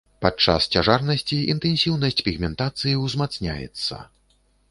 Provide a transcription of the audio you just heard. Падчас цяжарнасці інтэнсіўнасць пігментацыі узмацняецца.